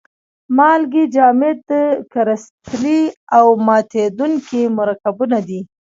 مالګې جامد کرستلي او ماتیدونکي مرکبونه دي.